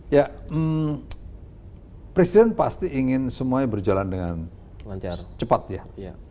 ya presiden pasti ingin semuanya berjalan dengan cepat ya